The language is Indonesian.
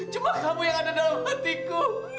cuma kamu yang ada dalam hatiku